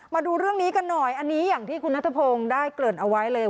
มาดูเรื่องนี้กันหน่อยอันนี้อย่างที่คุณนัทพงศ์ได้เกริ่นเอาไว้เลย